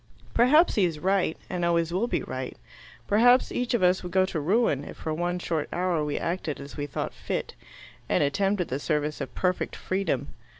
Perhaps he is right, and always will be right. Perhaps each of us would go to ruin if for one short hour we acted as we thought fit, and attempted the service of perfect freedom.